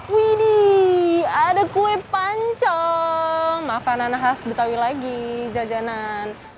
widih ada kue pancong makanan khas betawi lagi jajanan